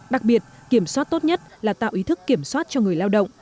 đặc biệt kiểm soát tốt nhất là tạo ý thức kiểm soát cho người lao động